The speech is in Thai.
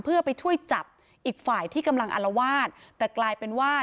เพื่อไปช่วยจับอีกฝ่ายที่กำลังอลวาสแต่กลายเป็นว่า